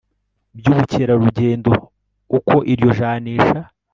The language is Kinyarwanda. by ubukerarugendo Uko iryo janisha